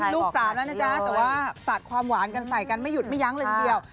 ลูก๓แล้วนะจ๊ะแต่ว่าสาดความหวานกันใส่กันไม่หยุดเดียว